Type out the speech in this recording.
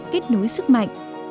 kết nối sức mạnh